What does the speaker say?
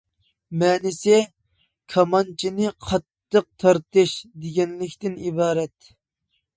مەنىسى «كامانچىنى قاتتىق تارتىش» دېگەنلىكتىن ئىبارەت.